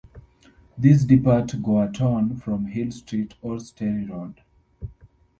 These depart Gowerton from Hill Street or Sterry Road.